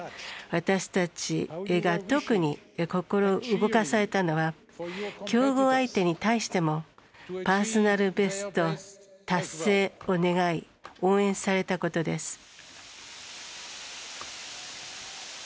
私たちが、特に心動かされたのは強豪相手に対してもパーソナルベスト達成を願い応援されたことです。